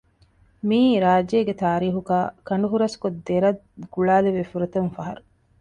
މިއީ ރާއްޖޭގެ ތާރީޚުގައި ކަނޑު ހުރަސްކޮށް ދެރަށް ގުޅާލެވޭ ފުރަތަމަ ފަހަރު